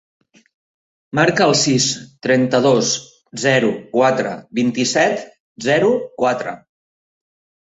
Marca el sis, trenta-dos, zero, quatre, vint-i-set, zero, quatre.